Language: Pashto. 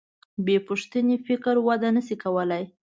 بېپوښتنې فکر وده نهشي کولی.